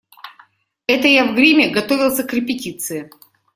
Это я в гриме готовился к репетиции.